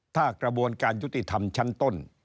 ถ้ากระบวนการยุติธรรมชั้นต้น